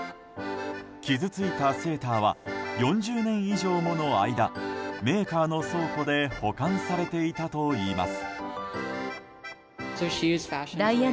傷ついたセーターは４０年以上もの間メーカーの倉庫で保管されていたといいます。